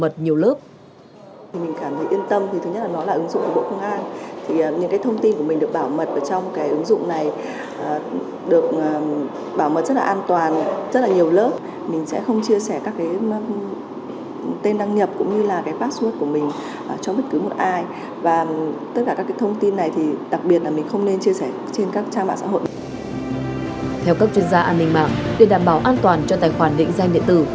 theo các chuyên gia an ninh mạng để đảm bảo an toàn cho tài khoản định danh địa tử